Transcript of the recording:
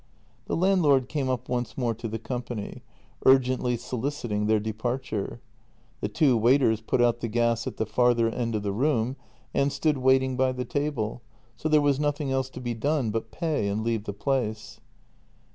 The landlord came up once more to the company, urgently soliciting their departure; the two waiters put out the gas at the farther end of the room and stood waiting by the table, so there was nothing else to be done but pay and leave the place.